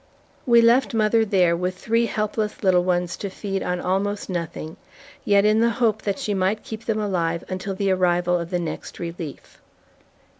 We left mother there with three helpless little ones to feed on almost nothing, yet in the hope that she might keep them alive until the arrival of the next relief.